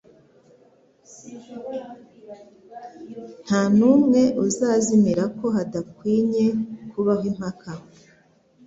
Ko nta n'umwe, uzazimira. Ko hadakwinye kubaho impaka